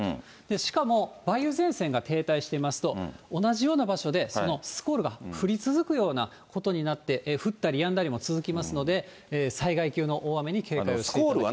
しかも、梅雨前線が停滞していますと、同じような場所でそのスコールが降り続くようなことになって、降ったりやんだりも続きますので、災害級の大雨に警戒をしていただきたいと思います。